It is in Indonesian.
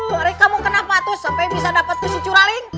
baru kamu kenapa tuh sampai bisa dapat ke curaling